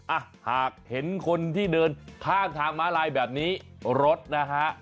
อ่ะหากเห็นคนที่เดินข้ามทางม้าลายแบบนี้รถนะฮะ